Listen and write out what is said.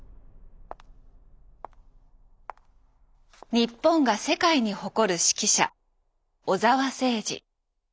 日本が世界に誇る指揮者小澤征爾。